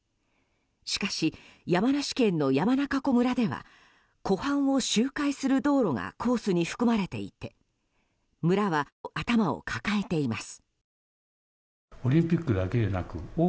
しかし、山梨県の山中湖村では湖畔を周回する道路がコースに含まれていて村は、頭を抱えています。